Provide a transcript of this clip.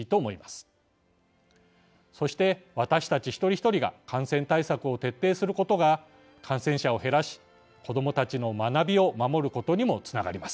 そして私たち一人一人が感染対策を徹底することが感染者を減らし子どもたちの学びを守ることにもつながります。